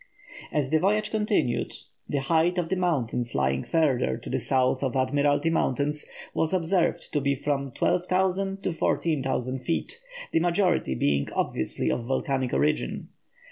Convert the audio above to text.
As the voyage continued, the height of the mountains lying further to the south of Admiralty Mountains was observed to be from 12,000 to 14,000 feet, the majority being obviously of volcanic origin.